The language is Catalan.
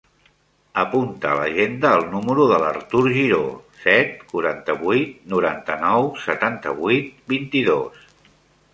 Apunta a l'agenda el número de l'Artur Giro: set, quaranta-vuit, noranta-nou, setanta-vuit, vint-i-dos.